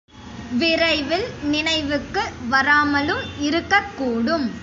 விரைவில் நினைவுக்கு வராமலும் இருக்கக்கூடும்.